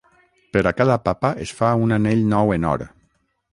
Per a cada Papa es fa un anell nou en or.